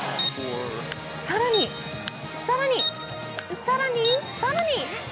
更に、更に、更に、更に。